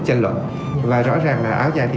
chân luận và rõ ràng là áo dài thì